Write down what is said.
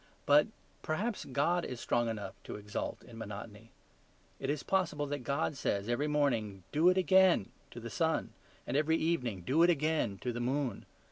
But perhaps God is strong enough to exult in monotony. It is possible that God says every morning, "Do it again" to the sun; and every evening, "Do it again" to the moon.